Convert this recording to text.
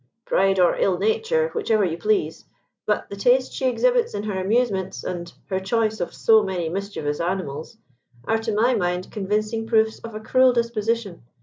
"Pride or ill nature, whichever you please; but the taste she exhibits in her amusements, and her choice of so many mischievous animals, are to my mind convincing proofs of a cruel disposition.